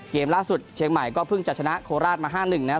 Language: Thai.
เกมล่าสุดเชียงใหม่ก็เพิ่งจะชนะโคราชมา๕๑นะครับ